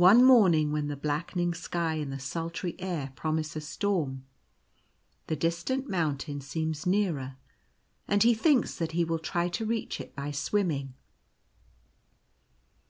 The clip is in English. One morning when the blackening sky and the sultry air promise a storm, the distant mountain seems nearer ; and he thinks that he will try to reach it by swimming.